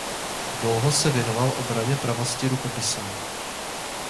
Dlouho se věnoval obraně pravosti Rukopisů.